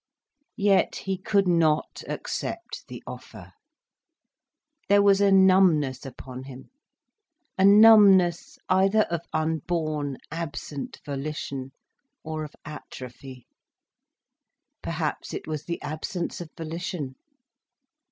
Yet he could not accept the offer. There was a numbness upon him, a numbness either of unborn, absent volition, or of atrophy. Perhaps it was the absence of volition.